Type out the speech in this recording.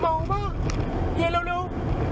เมาว่ะเห็นละรู้